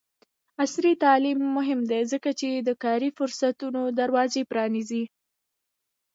عصري تعلیم مهم دی ځکه چې د کاري فرصتونو دروازې پرانیزي.